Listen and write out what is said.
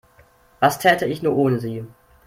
Was täte ich nur ohne Sie?